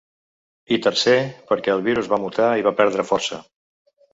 I tercer, perquè el virus va mutar i va perdre força.